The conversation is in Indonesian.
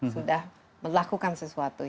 sudah melakukan sesuatu